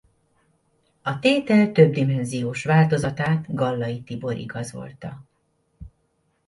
A tétel többdimenziós változatát Gallai Tibor igazolta.